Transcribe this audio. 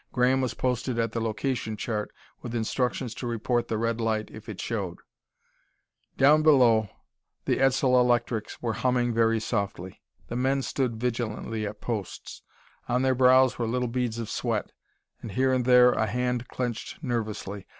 Graham was posted at the location chart, with instructions to report the red light if it showed. Down below, the Edsel electrics were humming very softly; the men stood vigilantly at posts. On their brows were little beads of sweat, and here and there a hand clenched nervously.